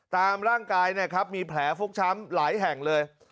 ตามร่างกายมีแผลฟกช้ำหลายแห่งเลย